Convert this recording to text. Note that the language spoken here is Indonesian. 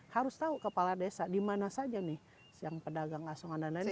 harus tahu kepala desa dimana saja nih yang pedagang asongan dan lain lain